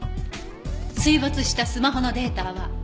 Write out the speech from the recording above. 水没したスマホのデータは？